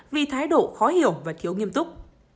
vì thái độ khó hiểu và thiếu nghiêm túc